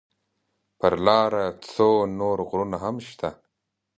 پر لاره څو نور غرونه هم شته.